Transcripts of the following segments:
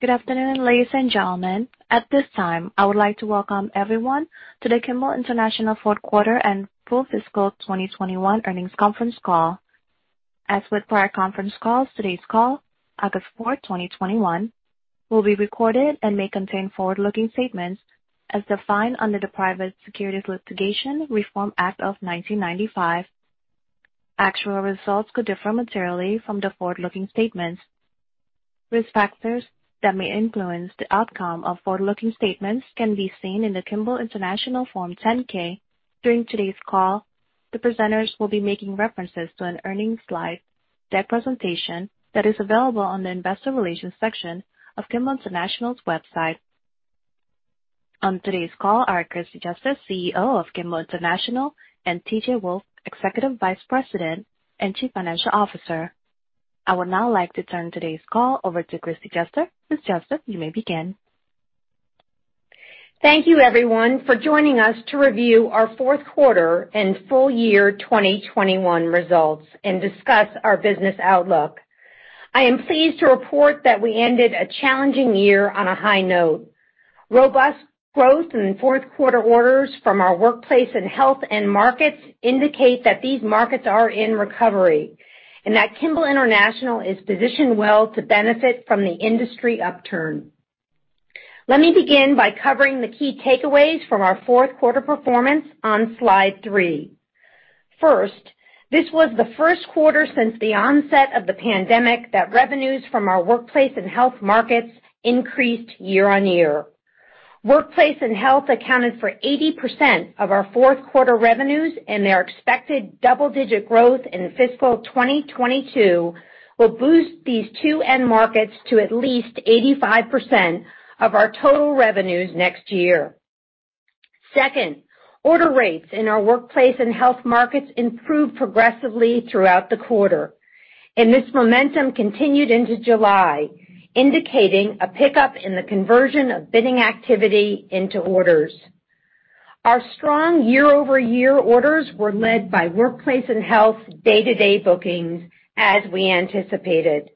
Good afternoon, ladies and gentlemen. At this time, I would like to welcome everyone to the Kimball International fourth quarter and full fiscal 2021 earnings conference call. As with prior conference calls, today's call, August 4, 2021, will be recorded and may contain forward-looking statements as defined under the Private Securities Litigation Reform Act of 1995. Actual results could differ materially from the forward-looking statements. Risk factors that may influence the outcome of forward-looking statements can be seen in the Kimball International Form 10-K. During today's call, the presenters will be making references to an earnings slide deck presentation that is available on the investor relations section of Kimball International's website. On today's call are Kristie Juster, CEO of Kimball International, and T.J. Wolfe, Executive Vice President and Chief Financial Officer. I would now like to turn today's call over to Kristie Juster. Ms. Juster, you may begin. Thank you, everyone, for joining us to review our fourth quarter and full year 2021 results and discuss our business outlook. I am pleased to report that we ended a challenging year on a high note. Robust growth in fourth quarter orders from our workplace and health end markets indicate that these markets are in recovery, and that Kimball International is positioned well to benefit from the industry upturn. Let me begin by covering the key takeaways from our fourth quarter performance on slide three. First, this was the first quarter since the onset of the pandemic that revenues from our workplace and health markets increased year-on-year. Workplace and health accounted for 80% of our fourth quarter revenues, and their expected double-digit growth in fiscal 2022 will boost these two end markets to at least 85% of our total revenues next year. Second, order rates in our workplace and health markets improved progressively throughout the quarter, and this momentum continued into July, indicating a pickup in the conversion of bidding activity into orders. Our strong year-over-year orders were led by workplace and health day-to-day bookings, as we anticipated.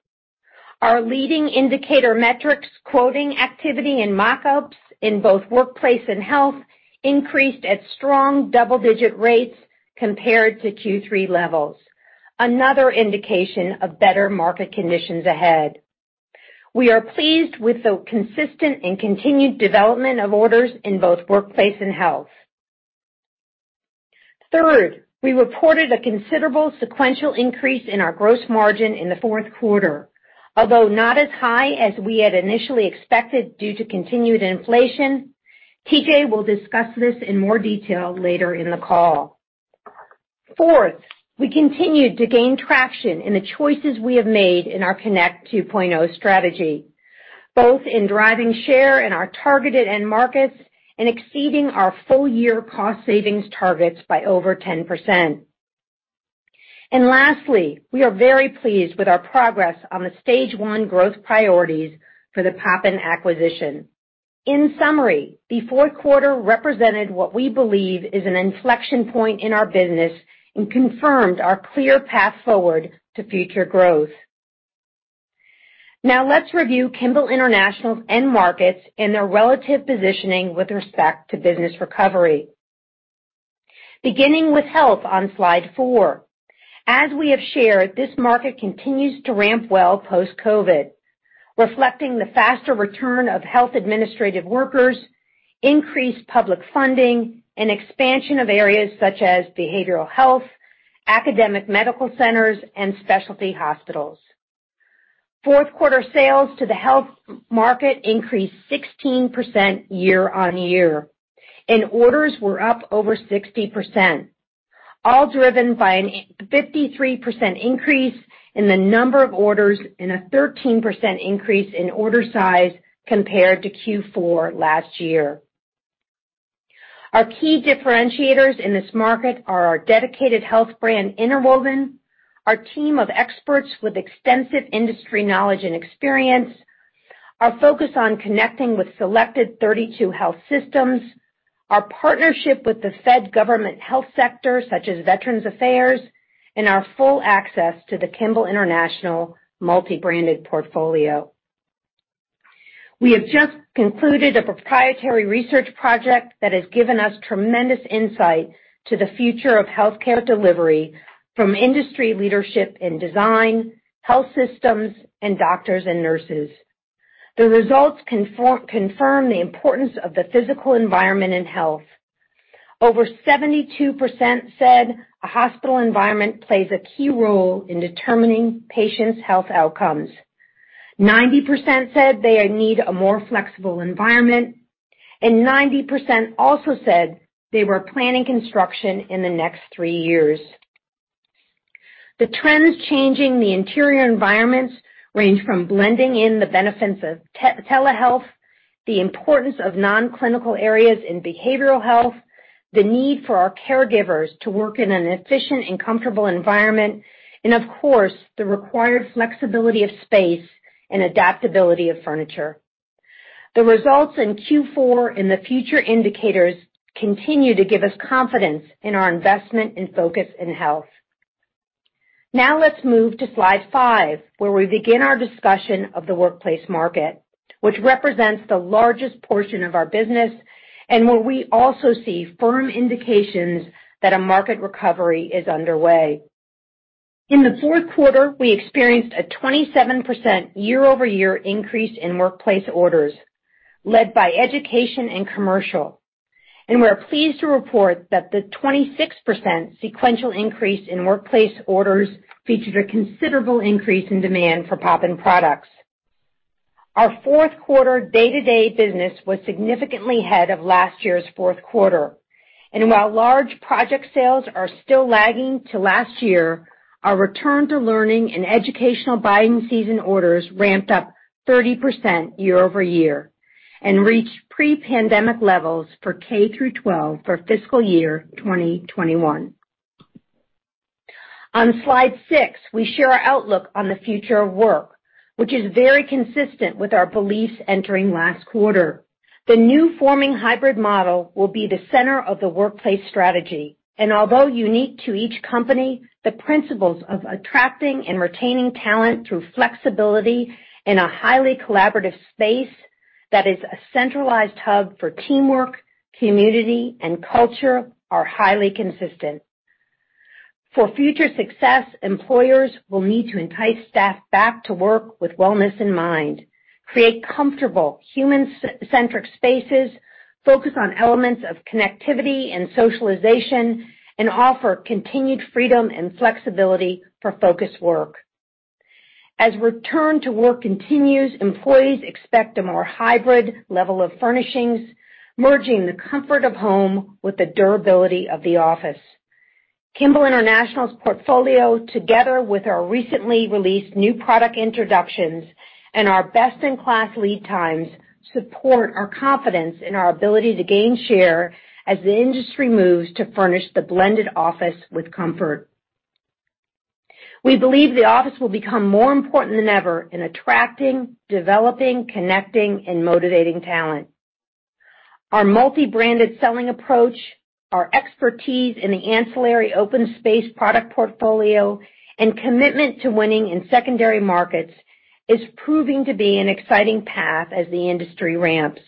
Our leading indicator metrics quoting activity and mock-ups in both workplace and health increased at strong double-digit rates compared to Q3 levels, another indication of better market conditions ahead. We are pleased with the consistent and continued development of orders in both workplace and health. Third, we reported a considerable sequential increase in our gross margin in the fourth quarter, although not as high as we had initially expected due to continued inflation. T.J. will discuss this in more detail later in the call. Fourth, we continued to gain traction in the choices we have made in our Connect 2.0 strategy, both in driving share in our targeted end markets and exceeding our full year cost savings targets by over 10%. Lastly, we are very pleased with our progress on the stage one growth priorities for the Poppin acquisition. In summary, the fourth quarter represented what we believe is an inflection point in our business and confirmed our clear path forward to future growth. Now let's review Kimball International's end markets and their relative positioning with respect to business recovery. Beginning with health on slide four. As we have shared, this market continues to ramp well post-COVID, reflecting the faster return of health administrative workers, increased public funding, and expansion of areas such as behavioral health, academic medical centers, and specialty hospitals. Fourth quarter sales to the health market increased 16% year-on-year, and orders were up over 60%, all driven by a 53% increase in the number of orders and a 13% increase in order size compared to Q4 last year. Our key differentiators in this market are our dedicated health brand Interwoven, our team of experts with extensive industry knowledge and experience, our focus on connecting with selected 32 health systems, our partnership with the Fed government health sector, such as Veterans Affairs, and our full access to the Kimball International multi-branded portfolio. We have just concluded a proprietary research project that has given us tremendous insight to the future of healthcare delivery from industry leadership in design, health systems, and doctors and nurses. The results confirm the importance of the physical environment in health. Over 72% said a hospital environment plays a key role in determining patients' health outcomes. 90% said they need a more flexible environment, and 90% also said they were planning construction in the next three years. The trends changing the interior environments range from blending in the benefits of tele-health, the importance of non-clinical areas in behavioral health, the need for our caregivers to work in an efficient and comfortable environment, and of course, the required flexibility of space and adaptability of furniture. The results in Q4 and the future indicators continue to give us confidence in our investment and focus in health. Now let's move to slide five, where we begin our discussion of the workplace market, which represents the largest portion of our business, and where we also see firm indications that a market recovery is underway. In the fourth quarter, we experienced a 27% year-over-year increase in workplace orders, led by education and commercial. We're pleased to report that the 26% sequential increase in workplace orders featured a considerable increase in demand for Poppin products. Our fourth quarter day-to-day business was significantly ahead of last year's fourth quarter. While large project sales are still lagging to last year, our return to learning and educational buying season orders ramped up 30% year-over-year and reached pre-pandemic levels for K through 12 for fiscal year 2021. On slide six, we share our outlook on the future of work, which is very consistent with our beliefs entering last quarter. The new forming hybrid model will be the center of the workplace strategy, and although unique to each company, the principles of attracting and retaining talent through flexibility in a highly collaborative space that is a centralized hub for teamwork, community, and culture are highly consistent. For future success, employers will need to entice staff back to work with wellness in mind, create comfortable human-centric spaces, focus on elements of connectivity and socialization, and offer continued freedom and flexibility for focus work. As return to work continues, employees expect a more hybrid level of furnishings, merging the comfort of home with the durability of the office. Kimball International's portfolio, together with our recently released new product introductions and our best-in-class lead times, support our confidence in our ability to gain share as the industry moves to furnish the blended office with comfort. We believe the office will become more important than ever in attracting, developing, connecting, and motivating talent. Our multi-branded selling approach, our expertise in the ancillary open space product portfolio, and commitment to winning in secondary markets is proving to be an exciting path as the industry ramps.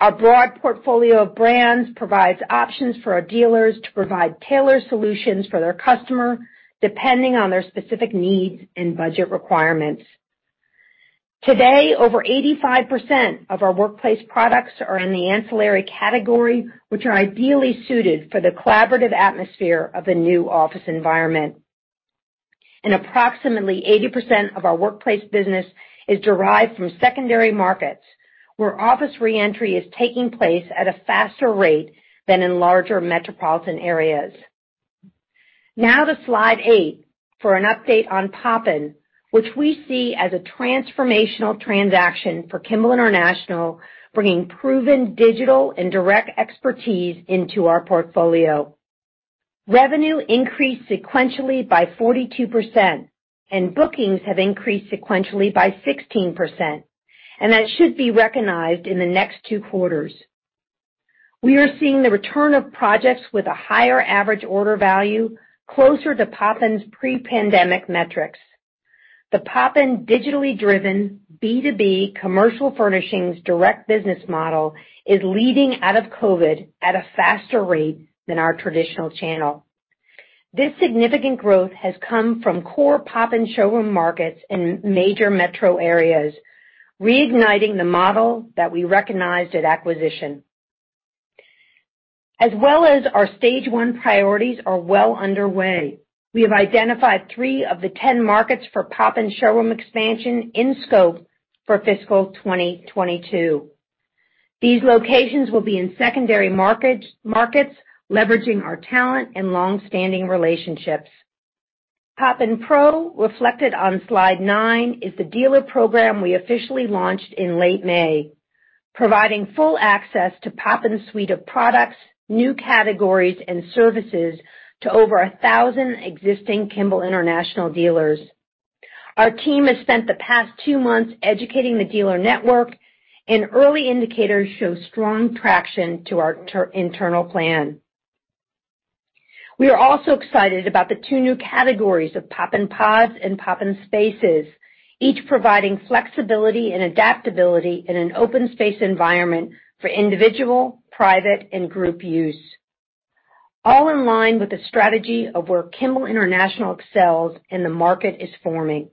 Our broad portfolio of brands provides options for our dealers to provide tailored solutions for their customer, depending on their specific needs and budget requirements. Today, over 85% of our workplace products are in the ancillary category, which are ideally suited for the collaborative atmosphere of a new office environment. Approximately 80% of our workplace business is derived from secondary markets, where office re-entry is taking place at a faster rate than in larger metropolitan areas. Now to slide eight for an update on Poppin, which we see as a transformational transaction for Kimball International, bringing proven digital and direct expertise into our portfolio. Revenue increased sequentially by 42%, and bookings have increased sequentially by 16%, and that should be recognized in the next two quarters. We are seeing the return of projects with a higher average order value, closer to Poppin's pre-pandemic metrics. The Poppin digitally driven B2B commercial furnishings direct business model is leading out of COVID at a faster rate than our traditional channel. This significant growth has come from core Poppin showroom markets in major metro areas, reigniting the model that we recognized at acquisition. As well as our stage one priorities are well underway. We have identified three of the 10 markets for Poppin showroom expansion in scope for fiscal 2022. These locations will be in secondary markets, leveraging our talent and long-standing relationships. PoppinPro, reflected on slide nine, is the dealer program we officially launched in late May, providing full access to Poppin's suite of products, new categories, and services to over 1,000 existing Kimball International dealers. Our team has spent the past two months educating the dealer network, and early indicators show strong traction to our internal plan. We are also excited about the two new categories of PoppinPods and PoppinSpaces, each providing flexibility and adaptability in an open space environment for individual, private, and group use. All in line with the strategy of where Kimball International excels and the market is forming.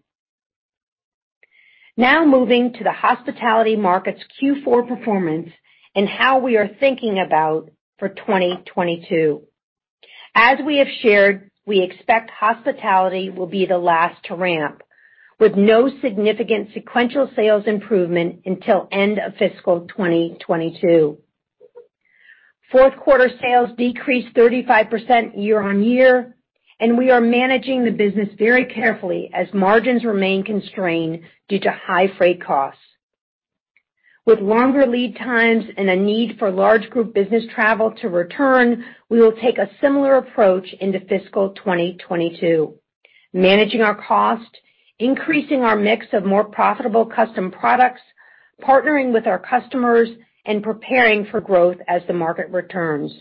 Now moving to the hospitality market's Q4 performance and how we are thinking about for 2022. As we have shared, we expect hospitality will be the last to ramp, with no significant sequential sales improvement until end of fiscal 2022. Fourth quarter sales decreased 35% year-on-year, and we are managing the business very carefully as margins remain constrained due to high freight costs. With longer lead times and a need for large group business travel to return, we will take a similar approach into fiscal 2022, managing our cost, increasing our mix of more profitable custom products, partnering with our customers and preparing for growth as the market returns.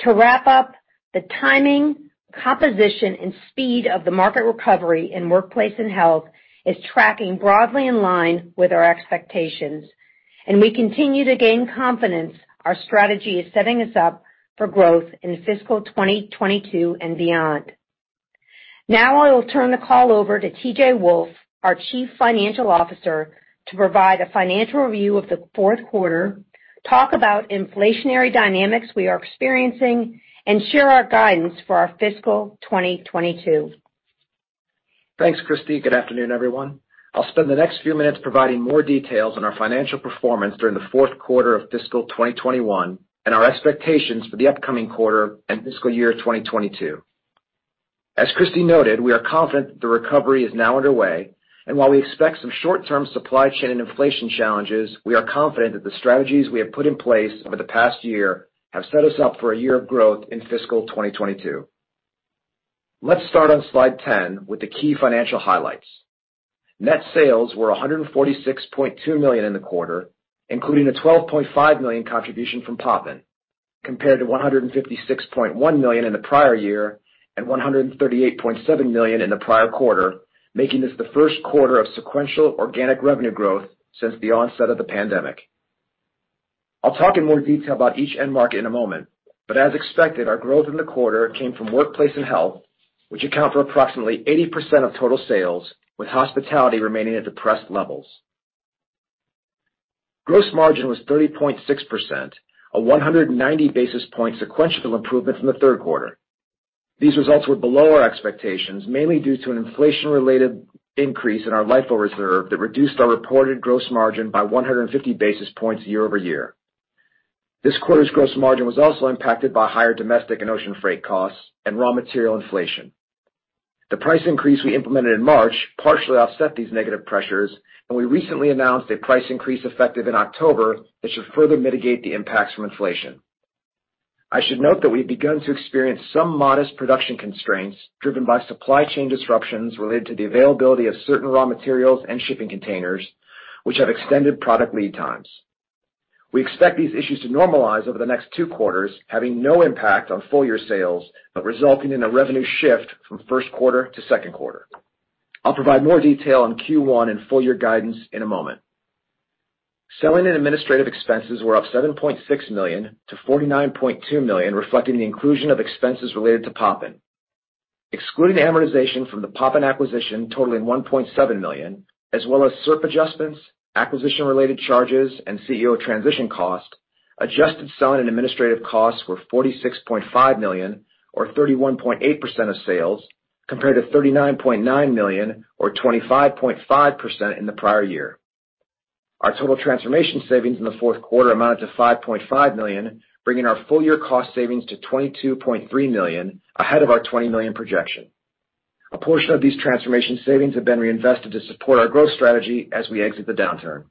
To wrap up, the timing, composition, and speed of the market recovery in workplace and health is tracking broadly in line with our expectations, and we continue to gain confidence. Our strategy is setting us up for growth in fiscal 2022 and beyond. Now I will turn the call over to T.J. Wolfe, our Chief Financial Officer, to provide a financial review of the fourth quarter, talk about inflationary dynamics we are experiencing, and share our guidance for our fiscal 2022. Thanks, Kristie. Good afternoon, everyone. I'll spend the next few minutes providing more details on our financial performance during the fourth quarter of fiscal 2021 and our expectations for the upcoming quarter and fiscal year 2022. As Kristie noted, we are confident that the recovery is now underway. While we expect some short-term supply chain and inflation challenges, we are confident that the strategies we have put in place over the past year have set us up for a year of growth in fiscal 2022. Let's start on slide 10 with the key financial highlights. Net sales were $146.2 million in the quarter, including a $12.5 million contribution from Poppin, compared to $156.1 million in the prior year and $138.7 million in the prior quarter, making this the first quarter of sequential organic revenue growth since the onset of the pandemic. I'll talk in more detail about each end market in a moment, as expected, our growth in the quarter came from workplace and health, which account for approximately 80% of total sales, with hospitality remaining at depressed levels. Gross margin was 30.6%, a 190 basis point sequential improvement from the third quarter. These results were below our expectations, mainly due to an inflation-related increase in our LIFO reserve that reduced our reported gross margin by 150 basis points year-over-year. This quarter's gross margin was also impacted by higher domestic and ocean freight costs and raw material inflation. The price increase we implemented in March partially offset these negative pressures, we recently announced a price increase effective in October that should further mitigate the impacts from inflation. I should note that we've begun to experience some modest production constraints driven by supply chain disruptions related to the availability of certain raw materials and shipping containers, which have extended product lead times. We expect these issues to normalize over the next two quarters, having no impact on full-year sales, but resulting in a revenue shift from first quarter to second quarter. I'll provide more detail on Q1 and full-year guidance in a moment. Selling and Administrative expenses were up $7.6 million to $49.2 million, reflecting the inclusion of expenses related to Poppin. Excluding the amortization from the Poppin acquisition totaling $1.7 million, as well as SERP adjustments, acquisition-related charges, and CEO transition cost, adjusted Selling and Administrative costs were $46.5 million or 31.8% of sales, compared to $39.9 million or 25.5% in the prior year. Our total transformation savings in the fourth quarter amounted to $5.5 million, bringing our full-year cost savings to $22.3 million, ahead of our $20 million projection. A portion of these transformation savings have been reinvested to support our growth strategy as we exit the downturn.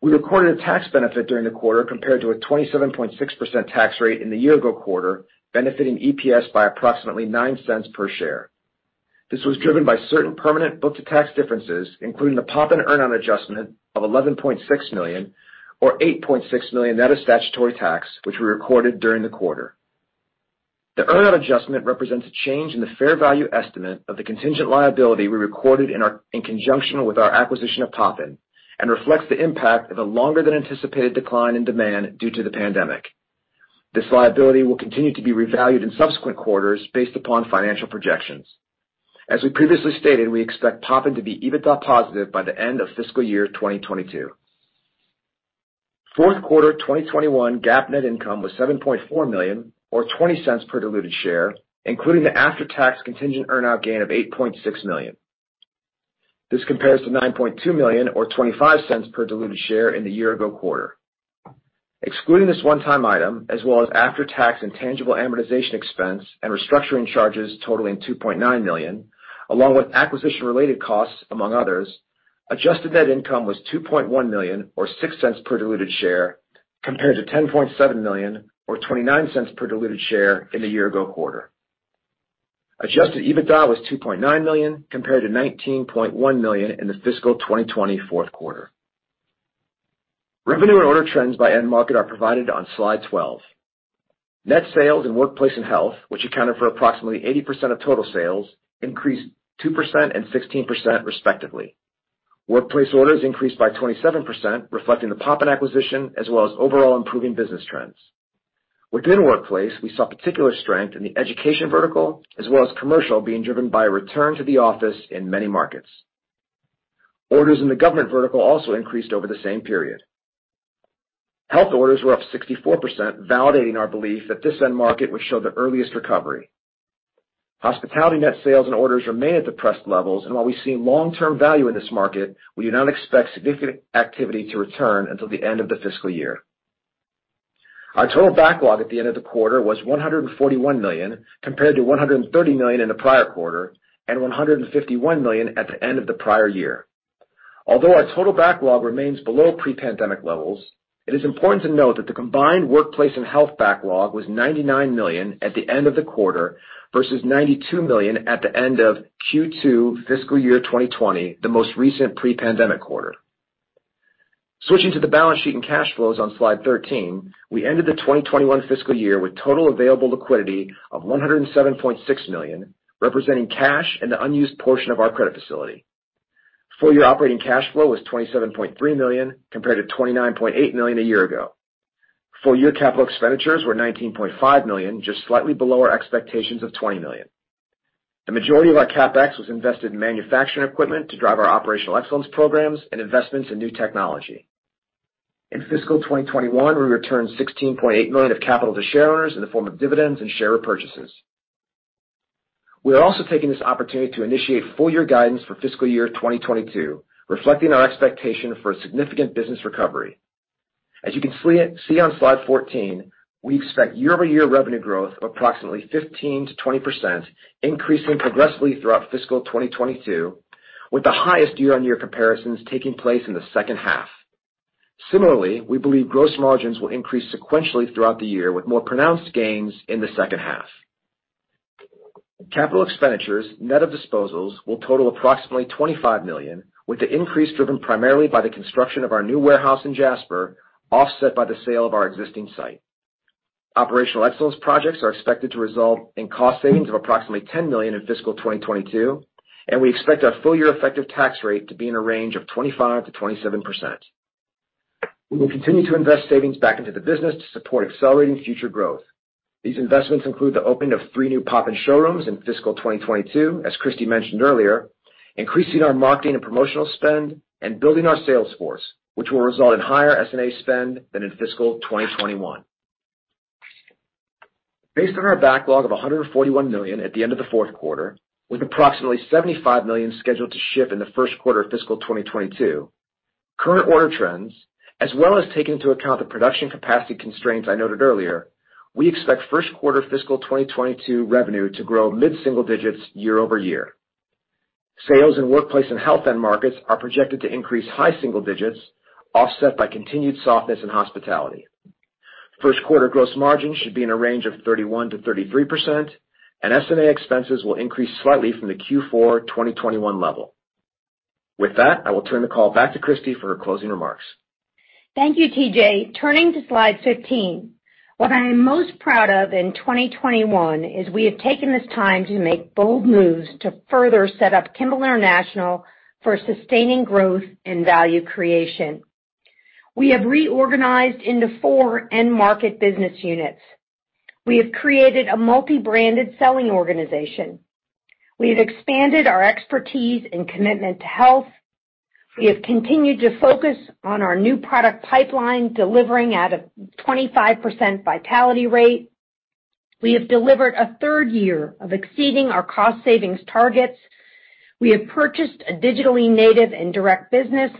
We recorded a tax benefit during the quarter compared to a 27.6% tax rate in the year-ago quarter, benefiting EPS by approximately $0.09 per share. This was driven by certain permanent book-to-tax differences, including the Poppin earnout adjustment of $11.6 million or $8.6 million net of statutory tax, which we recorded during the quarter. The earnout adjustment represents a change in the fair value estimate of the contingent liability we recorded in conjunction with our acquisition of Poppin and reflects the impact of a longer than anticipated decline in demand due to the pandemic. This liability will continue to be revalued in subsequent quarters based upon financial projections. As we previously stated, we expect Poppin to be EBITDA positive by the end of fiscal year 2022. Fourth quarter 2021 GAAP net income was $7.4 million or $0.20 per diluted share, including the after-tax contingent earn-out gain of $8.6 million. This compares to $9.2 million or $0.25 per diluted share in the year-ago quarter. Excluding this one-time item, as well as after-tax intangible amortization expense and restructuring charges totaling $2.9 million, along with acquisition-related costs, among others, adjusted net income was $2.1 million or $0.06 per diluted share, compared to $10.7 million or $0.29 per diluted share in the year-ago quarter. Adjusted EBITDA was $2.9 million compared to $19.1 million in the fiscal 2020 fourth quarter. Revenue and order trends by end market are provided on slide 12. Net sales in workplace and health, which accounted for approximately 80% of total sales, increased 2% and 16% respectively. Workplace orders increased by 27%, reflecting the Poppin acquisition, as well as overall improving business trends. Within workplace, we saw particular strength in the education vertical, as well as commercial, being driven by a return to the office in many markets. Orders in the government vertical also increased over the same period. Health orders were up 64%, validating our belief that this end market would show the earliest recovery. Hospitality net sales and orders remain at depressed levels, and while we see long-term value in this market, we do not expect significant activity to return until the end of the fiscal year. Our total backlog at the end of the quarter was $141 million, compared to $130 million in the prior quarter and $151 million at the end of the prior year. Although our total backlog remains below pre-pandemic levels, it is important to note that the combined workplace and health backlog was $99 million at the end of the quarter, versus $92 million at the end of Q2 fiscal year 2020, the most recent pre-pandemic quarter. Switching to the balance sheet and cash flows on slide 13, we ended the 2021 fiscal year with total available liquidity of $107.6 million, representing cash and the unused portion of our credit facility. Full-year operating cash flow was $27.3 million compared to $29.8 million a year ago. Full-year capital expenditures were $19.5 million, just slightly below our expectations of $20 million. The majority of our CapEx was invested in manufacturing equipment to drive our operational excellence programs and investments in new technology. In fiscal 2021, we returned $16.8 million of capital to shareholders in the form of dividends and share repurchases. We are also taking this opportunity to initiate full-year guidance for fiscal year 2022, reflecting our expectation for a significant business recovery. As you can see on slide 14, we expect year-over-year revenue growth of approximately 15%-20%, increasing progressively throughout fiscal 2022, with the highest year-on-year comparisons taking place in the second half. Similarly, we believe gross margins will increase sequentially throughout the year, with more pronounced gains in the second half. Capital expenditures, net of disposals, will total approximately $25 million, with the increase driven primarily by the construction of our new warehouse in Jasper, offset by the sale of our existing site. Operational excellence projects are expected to result in cost savings of approximately $10 million in fiscal 2022. We expect our full-year effective tax rate to be in a range of 25%-27%. We will continue to invest savings back into the business to support accelerating future growth. These investments include the opening of three new Poppin showrooms in fiscal 2022, as Kristie mentioned earlier, increasing our marketing and promotional spend, and building our sales force, which will result in higher S&A spend than in fiscal 2021. Based on our backlog of $141 million at the end of the fourth quarter, with approximately $75 million scheduled to ship in the first quarter of fiscal 2022, current order trends, as well as taking into account the production capacity constraints I noted earlier, we expect first quarter fiscal 2022 revenue to grow mid-single digits year-over-year. Sales in workplace and health end markets are projected to increase high single digits, offset by continued softness in hospitality. First quarter gross margin should be in a range of 31%-33%, and S&A expenses will increase slightly from the Q4 2021 level. With that, I will turn the call back to Kristie for her closing remarks. Thank you, T.J. Turning to slide 15. What I am most proud of in 2021 is we have taken this time to make bold moves to further set up Kimball International for sustaining growth and value creation. We have reorganized into four end-market business units. We have created a multi-branded selling organization. We have expanded our expertise and commitment to health. We have continued to focus on our new product pipeline, delivering at a 25% vitality rate. We have delivered a third year of exceeding our cost savings targets. We have purchased a digitally native and direct business.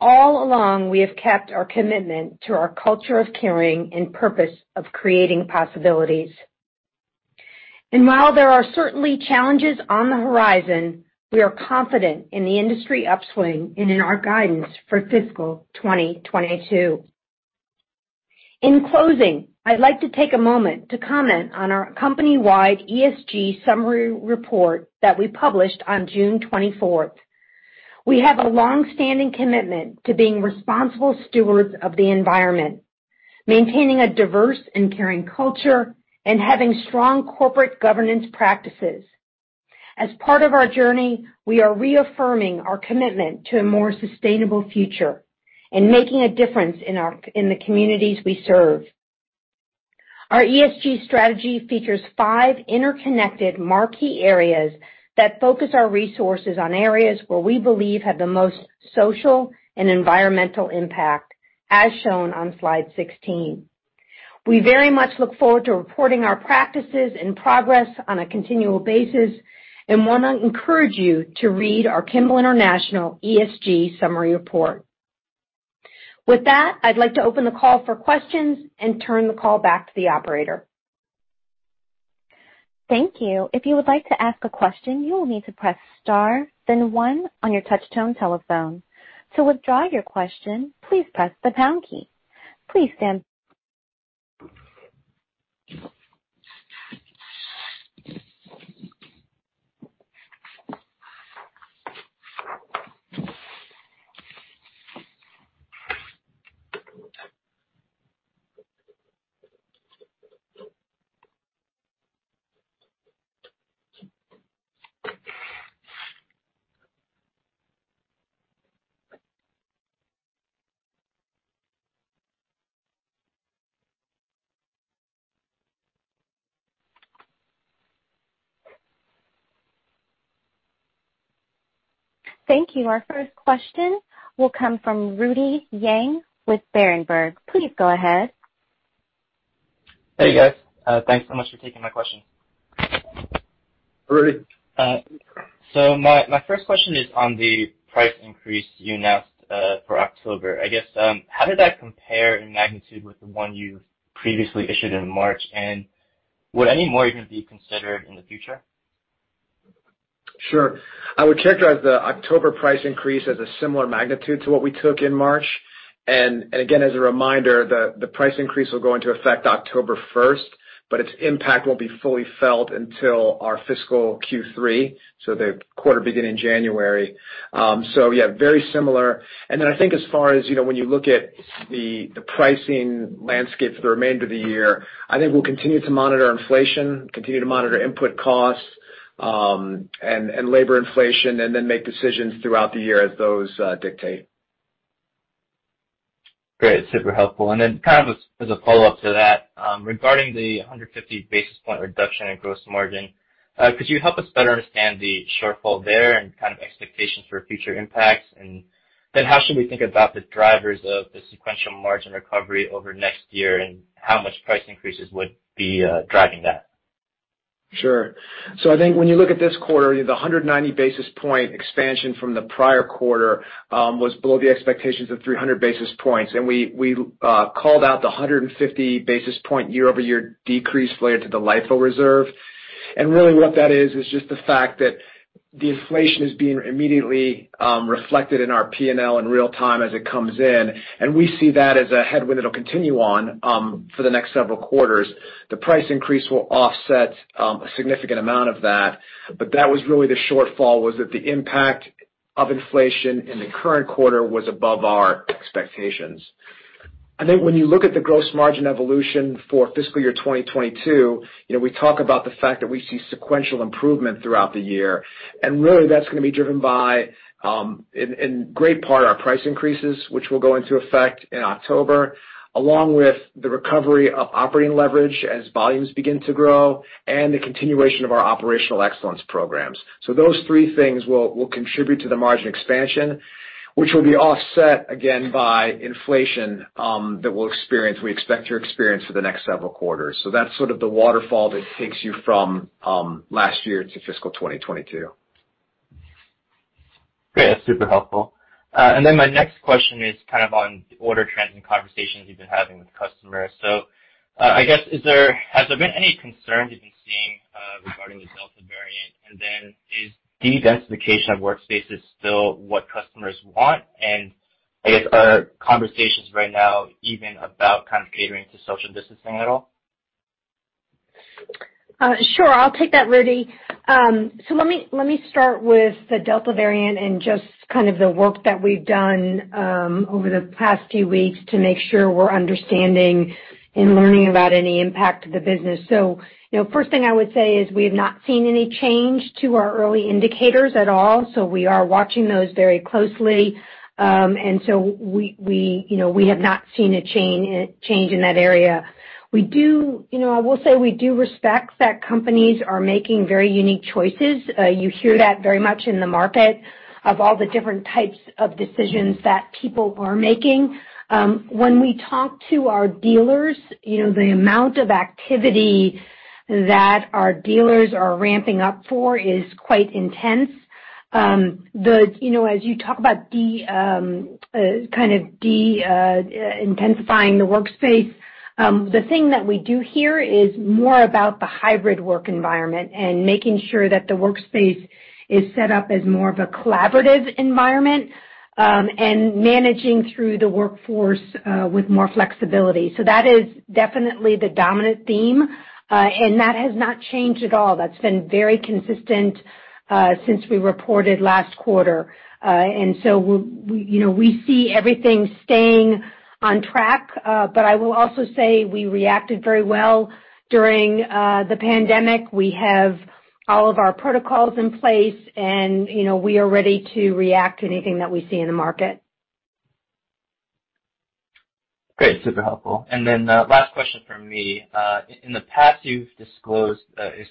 All along, we have kept our commitment to our culture of caring and purpose of creating possibilities. While there are certainly challenges on the horizon, we are confident in the industry upswing and in our guidance for fiscal 2022. In closing, I'd like to take a moment to comment on our company-wide ESG summary report that we published on June 24th. We have a long-standing commitment to being responsible stewards of the environment, maintaining a diverse and caring culture, and having strong corporate governance practices. As part of our journey, we are reaffirming our commitment to a more sustainable future and making a difference in the communities we serve. Our ESG strategy features five interconnected marquee areas that focus our resources on areas where we believe have the most social and environmental impact, as shown on slide 16. We very much look forward to reporting our practices and progress on a continual basis and want to encourage you to read our Kimball International ESG summary report. With that, I'd like to open the call for questions and turn the call back to the operator. Thank you. If you would like to ask a question, you will need to press star then one on your touch tone telephone. To withdraw your question, please press the pound key. Please stand. Thank you. Our first question will come from Rudy Yang with Berenberg. Please go ahead. Hey, guys. Thanks so much for taking my question. Rudy. My first question is on the price increase you announced for October. I guess, how did that compare in magnitude with the one you previously issued in March? Would any more even be considered in the future? Sure. I would characterize the October price increase as a similar magnitude to what we took in March. Again, as a reminder, the price increase will go into effect October 1st, but its impact won't be fully felt until our fiscal Q3, the quarter beginning January. Yeah, very similar. I think as far as when you look at the pricing landscape for the remainder of the year, I think we'll continue to monitor inflation, continue to monitor input costs, and labor inflation, then make decisions throughout the year as those dictate. Great. Super helpful. Kind of as a follow-up to that, regarding the 150 basis point reduction in gross margin, could you help us better understand the shortfall there and kind of expectations for future impacts? How should we think about the drivers of the sequential margin recovery over next year, and how much price increases would be driving that? Sure. I think when you look at this quarter, the 190 basis point expansion from the prior quarter was below the expectations of 300 basis points. We called out the 150 basis point year-over-year decrease related to the LIFO reserve. Really what that is just the fact that the inflation is being immediately reflected in our P&L in real time as it comes in, and we see that as a headwind that'll continue on for the next several quarters. The price increase will offset a significant amount of that, but that was really the shortfall, was that the impact of inflation in the current quarter was above our expectations. I think when you look at the gross margin evolution for fiscal year 2022, we talk about the fact that we see sequential improvement throughout the year. Really that's going to be driven by, in great part, our price increases, which will go into effect in October, along with the recovery of operating leverage as volumes begin to grow, and the continuation of our operational excellence programs. Those three things will contribute to the margin expansion, which will be offset again by inflation that we expect to experience for the next several quarters. That's sort of the waterfall that takes you from last year to fiscal 2022. Great. That's super helpful. My next question is kind of on order trends and conversations you've been having with customers. I guess, has there been any concern you've been seeing regarding this Delta variant? Is dedensification of workspaces still what customers want? I guess, are conversations right now even about kind of catering to social distancing at all? Sure. I'll take that, Rudy. Let me start with the Delta variant and just kind of the work that we've done over the past two weeks to make sure we're understanding and learning about any impact to the business. First thing I would say is we have not seen any change to our early indicators at all, so we are watching those very closely. We have not seen a change in that area. I will say we do respect that companies are making very unique choices. You hear that very much in the market of all the different types of decisions that people are making. When we talk to our dealers, the amount of activity that our dealers are ramping up for is quite intense. As you talk about kind of de-intensifying the workspace, the thing that we do hear is more about the hybrid work environment and making sure that the workspace is set up as more of a collaborative environment, and managing through the workforce with more flexibility. That is definitely the dominant theme, and that has not changed at all. That's been very consistent since we reported last quarter. We see everything staying on track. I will also say we reacted very well during the pandemic. We have all of our protocols in place, and we are ready to react to anything that we see in the market. Great. Super helpful. Last question from me. In the past, you've disclosed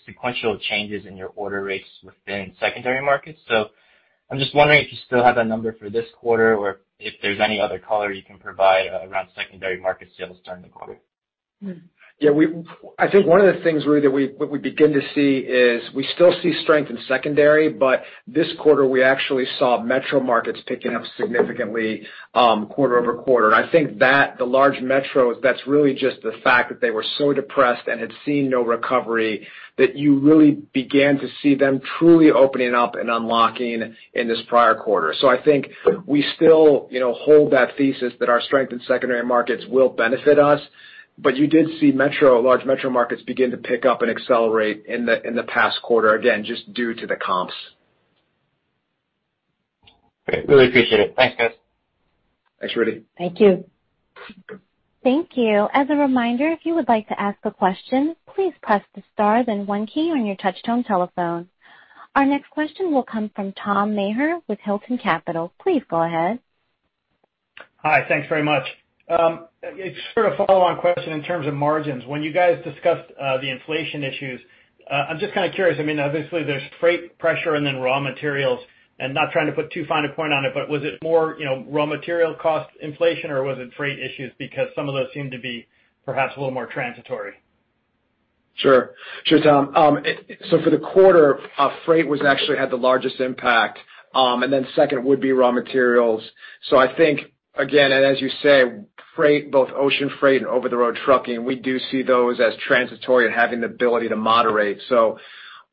sequential changes in your order rates within secondary markets. I'm just wondering if you still have that number for this quarter or if there's any other color you can provide around secondary market sales during the quarter. Yeah. I think one of the things, Rudy, that we begin to see is we still see strength in secondary, but this quarter, we actually saw metro markets picking up significantly quarter-over-quarter. I think that the large metros, that's really just the fact that they were so depressed and had seen no recovery that you really began to see them truly opening up and unlocking in this prior quarter. I think we still hold that thesis that our strength in secondary markets will benefit us. You did see large metro markets begin to pick up and accelerate in the past quarter, again, just due to the comps. Great. Really appreciate it. Thanks, guys. Thanks, Rudy. Thank you. Thank you. As a reminder, if you would like to ask a question, please press the star then one key on your touchtone telephone. Our next question will come from Tom Maher with Hilton Capital. Please go ahead. Hi. Thanks very much. It's sort of a follow-on question in terms of margins. When you guys discussed the inflation issues, I'm just kind of curious, I mean, obviously there's freight pressure and then raw materials, and not trying to put too fine a point on it, but was it more raw material cost inflation or was it freight issues? Because some of those seem to be perhaps a little more transitory. Sure, Tom. For the quarter, freight actually had the largest impact. Second would be raw materials. I think, again, and as you say, freight, both ocean freight and over-the-road trucking. We do see those as transitory and having the ability to moderate.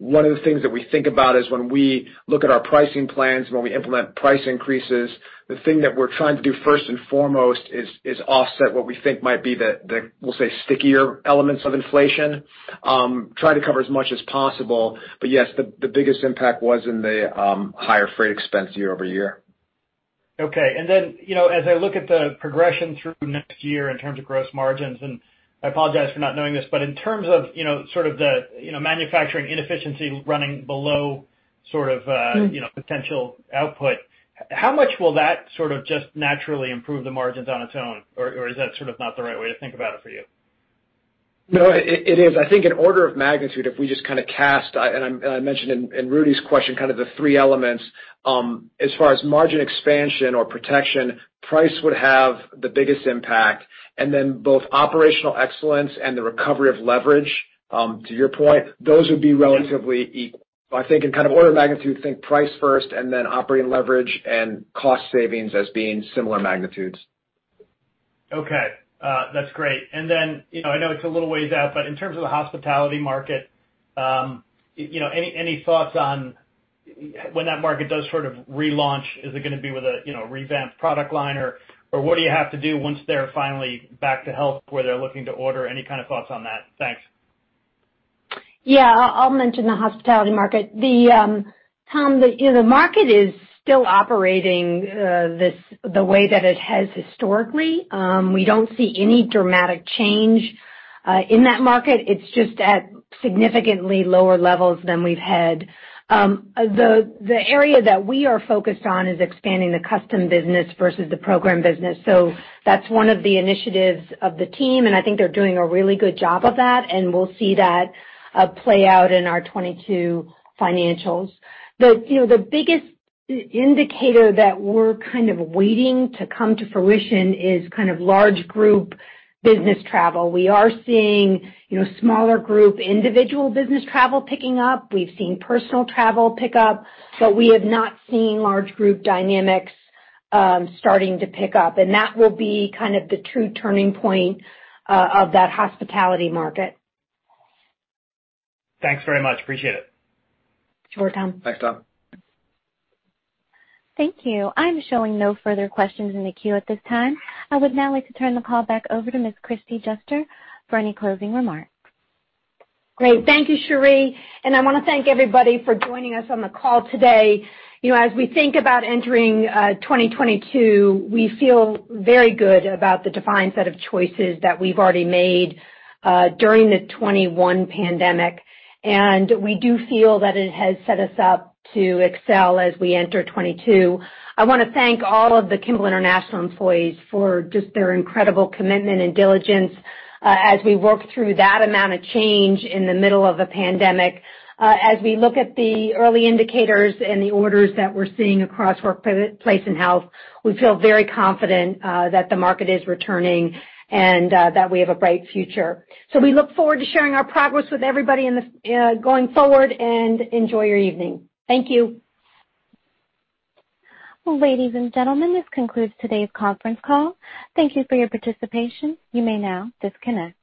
One of the things that we think about is when we look at our pricing plans, when we implement price increases, the thing that we're trying to do first and foremost is offset what we think might be the, we'll say, stickier elements of inflation, try to cover as much as possible. Yes, the biggest impact was in the higher freight expense year-over-year. Okay. As I look at the progression through next year in terms of gross margins, I apologize for not knowing this, in terms of the manufacturing inefficiency running below potential output, how much will that just naturally improve the margins on its own? Is that not the right way to think about it for you? No, it is. I think in order of magnitude, if we just cast, and I mentioned in Rudy's question, the three elements. As far as margin expansion or protection, price would have the biggest impact. Both operational excellence and the recovery of leverage, to your point, those would be relatively equal. I think in order of magnitude, think price first, and then operating leverage and cost savings as being similar magnitudes. Okay. That's great. Then, I know it's a little ways out, but in terms of the hospitality market, any thoughts on when that market does relaunch? Is it going to be with a revamped product line, or what do you have to do once they're finally back to health where they're looking to order? Any kind of thoughts on that? Thanks. Yeah, I'll mention the hospitality market. Tom, the market is still operating the way that it has historically. We don't see any dramatic change in that market. It's just at significantly lower levels than we've had. The area that we are focused on is expanding the custom business versus the program business. That's one of the initiatives of the team, and I think they're doing a really good job of that, and we'll see that play out in our 2022 financials. The biggest indicator that we're waiting to come to fruition is large group business travel. We are seeing smaller group individual business travel picking up. We've seen personal travel pick up. We have not seen large group dynamics starting to pick up, and that will be the true turning point of that hospitality market. Thanks very much. Appreciate it. Sure, Tom. Thanks, Tom. Thank you. I'm showing no further questions in the queue at this time. I would now like to turn the call back over to Ms. Kristie Juster for any closing remarks. Great. Thank you, Cherie. I want to thank everybody for joining us on the call today. As we think about entering 2022, we feel very good about the defined set of choices that we've already made during the 2021 pandemic. We do feel that it has set us up to excel as we enter 2022. I want to thank all of the Kimball International employees for just their incredible commitment and diligence as we work through that amount of change in the middle of a pandemic. As we look at the early indicators and the orders that we're seeing across Workplace and Health, we feel very confident that the market is returning and that we have a bright future. We look forward to sharing our progress with everybody going forward, and enjoy your evening. Thank you. Ladies and gentlemen, this concludes today's conference call. Thank you for your participation. You may now disconnect.